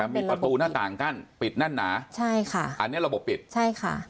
มีประตูหน้าต่างกั้นปิดแน่นหนาใช่ค่ะอันนี้ระบบปิดใช่ค่ะ